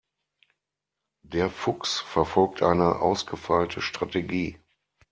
Der Fuchs verfolgt eine ausgefeilte Strategie.